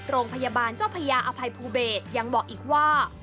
โรงพยาบาลเจ้าพญาอภัยภูเบศยังบอกอีกว่า